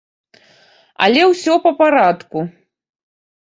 Але ўсё па парадку.